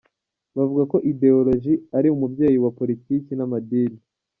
Bavuga ko Ideoloji ari umubyeyi wa politiki n’amadini.